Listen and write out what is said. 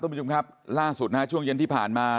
ต้องมีคุณครับล่าสุดนะช่วงเย็นที่ผ่านมา